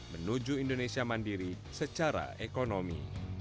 menuju indonesia mandiri secara ekonomi